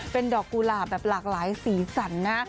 เป็นดอกกุหลาบแบบหลากหลายสีสันนะ